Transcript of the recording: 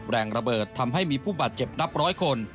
แรงระเบิดทำให้มีผู้บาดเจ็บนับร้อยคน